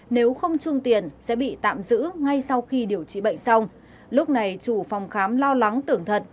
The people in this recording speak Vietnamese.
nếu không chuông tiền sẽ bị tạm giữ ngay sau khi điều trị bệnh xong lúc này chủ phòng khám lo lắng tưởng thật